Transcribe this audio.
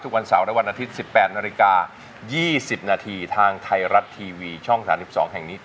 วันเสาร์และวันอาทิตย์๑๘นาฬิกา๒๐นาทีทางไทยรัฐทีวีช่อง๓๒แห่งนี้